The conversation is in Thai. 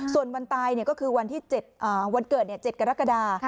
ส่วนวันตายก็คือวันเกิด๗กรกฎา